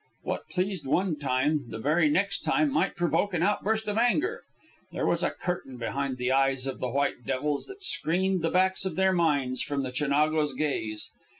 What pleased one time, the very next time might provoke an outburst of anger. There was a curtain behind the eyes of the white devils that screened the backs of their minds from the Chinago's gaze.